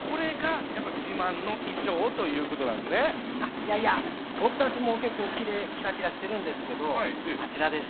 あいやいや僕たちも結構きらきらしてるんですけどあちらです。